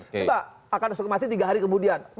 kita akan hukuman mati tiga hari kemudian